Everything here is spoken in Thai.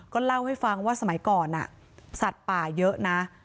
เล่าให้ฟังว่าสมัยก่อนสัตว์ป่าเยอะนะ